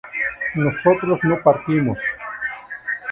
nosotros no partimos